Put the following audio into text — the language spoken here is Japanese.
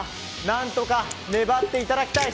何とか粘っていただきたい。